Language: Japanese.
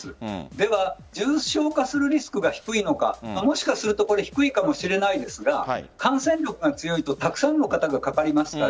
では重症化するリスクが低いのかもしかすると低いかもしれないですが感染力が強いとたくさんの方がかかりますから。